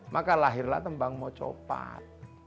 maka lahirlah tembang mocopat